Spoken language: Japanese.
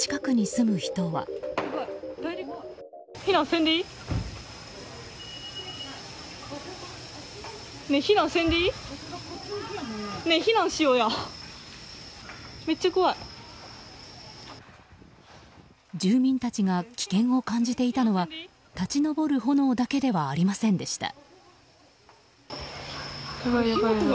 住民たちが危険を感じていたのは立ち上る炎だけではありませんでした。